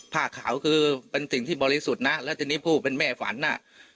ผ้าขาวคือเป็นสิ่งที่บริสุทธิ์นะแล้วทีนี้ผู้เป็นแม่ฝันน่ะ